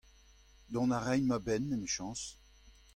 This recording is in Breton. Dont a raimp a-benn, emichañs !